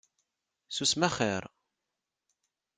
Susem axir!